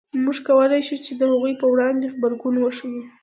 موږ کولای شو د هغوی په وړاندې غبرګون وښیو.